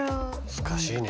難しいね。